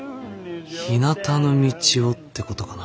「ひなたの道を」ってことかな。